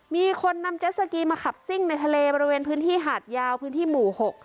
มีคนนำเจ็ดสกีมาขับซิ่งในทะเลบริเวณพื้นที่หาดยาวพื้นที่หมู่๖